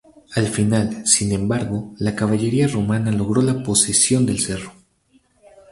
Al final, sin embargo, la caballería romana logró la posesión del cerro.